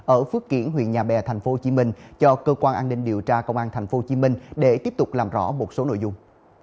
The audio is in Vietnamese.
ở phước kiển huyện nhà bè tp hcm cho cơ quan an ninh điều tra công an tp hcm để tiếp tục làm rõ một số nội dung